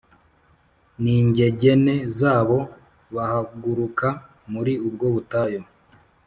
N ingegene zabo Bahaguruka muri ubwo butayu